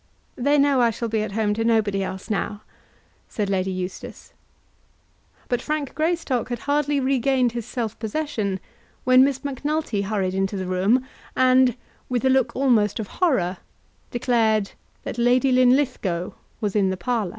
"They know I shall be at home to nobody else now," said Lady Eustace. But Frank Greystock had hardly regained his self possession when Miss Macnulty hurried into the room, and, with a look almost of horror, declared that Lady Linlithgow was in the parlour.